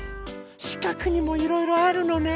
しかくにもいろいろあるのね。